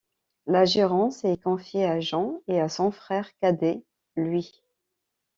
La gérance est confiée à Jean et à son frère cadet, Louis.